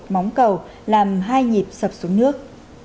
móng cầu làm hai nhịp sập xuống nước